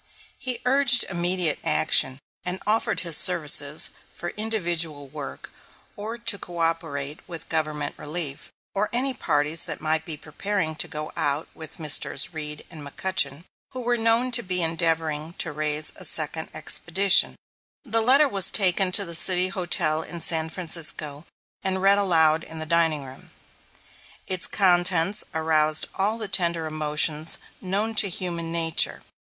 He urged immediate action, and offered his services for individual work, or to coöperate with Government relief, or any parties that might be preparing to go out with Messrs. Reed and McCutchen, who were known to be endeavoring to raise a second expedition. [Illustration: SUTTER'S FORT] [Illustration: SAM BRANNAN'S STORE AT SUTTER'S FORT] The letter was taken to the City Hotel in San Francisco, and read aloud in the dining room. Its contents aroused all the tender emotions known to human nature.